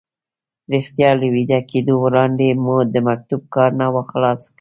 رښتیا له ویده کېدو وړاندې مو د مکتوب کار نه و خلاص کړی.